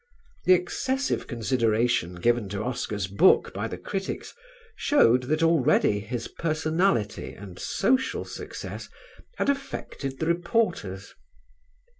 The excessive consideration given to Oscar's book by the critics showed that already his personality and social success had affected the reporters.